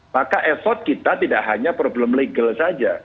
maka effort kita tidak hanya problem legal saja